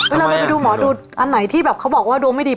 เวลาเราไปดูหมอดูอันไหนที่แบบเขาบอกว่าดวงไม่ดี